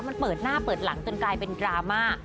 มันเปิดหน้าเปิดหลังจนกลายเป็นดราม่า